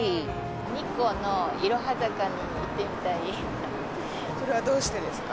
日光のいろは坂に行ってみたそれはどうしてですか？